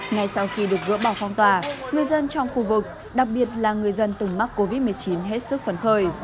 ngay sau khi được gỡ bỏ phong tỏa người dân trong khu vực đặc biệt là người dân từng mắc covid một mươi chín hết sức phấn khởi